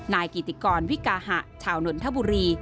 นายกิติกรวิกาหะชาวนนทบุรี